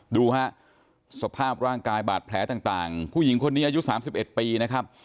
ดูฮะสภาพร่างกายบาดแผลต่างผู้หญิงคนนี้อายุ๓๑ปีนะครับ